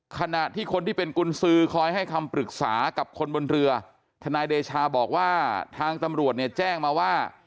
ขณะที่คนที่เป็นกุญสือคอยให้คำปรึกษากับคนบนเรือทนายเดชาบอกว่าทางตำรวจเนี่ยแจ้งมาว่า